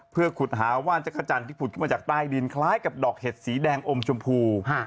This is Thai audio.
เพื่อขุดหาว่านจักรจันทร์ที่ผุดขึ้นมาจากใต้ดินคล้ายกับดอกเห็ดสีแดงอมชมพู